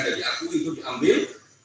dari aku itu diambil